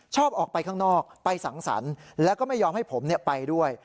ชอบออกไปข้างนอกไปสังสรรค์แล้วก็ไม่ยอมให้ผมไปด้วย